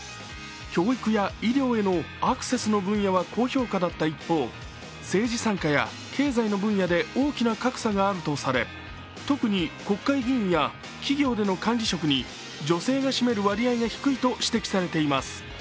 教育や医療へのアクセスの分野は高評価だった一方、政治参加や経済の分野で大きな格差があるとされ特に国会議員や企業での管理職に女性が占める割合が低いと指摘されています。